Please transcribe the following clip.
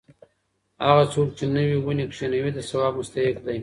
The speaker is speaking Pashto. هغه څوک چې نوې ونې کښېنوي د ثواب مستحق دی.